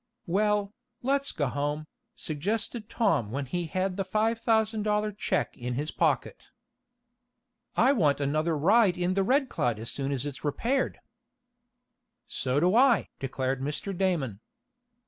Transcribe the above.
"Well, let's go home," suggested Tom when he had the five thousand dollar check in his pocket. "I want another ride in the Red Cloud as soon as it's repaired." "So do I!" declared Mr. Damon.